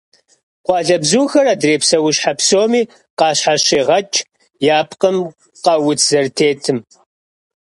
Къуалэбзухэр адрей псэущхьэ псоми къащхьэщегъэкӏ я пкъым къэуц зэрытетым.